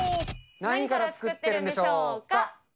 何から作ってるんでしょうか。